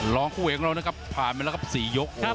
ร้องคู่เองแล้วนะครับผ่านไปแล้วครับสี่ยกครับ